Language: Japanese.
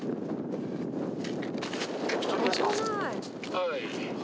はい。